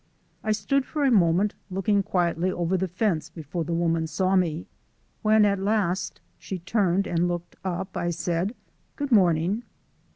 I stood for a moment looking quietly over the fence before the woman saw me. When at last she turned and looked up, I said: "Good morning."